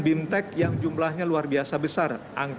bimtek yang jumlahnya luar biasa besar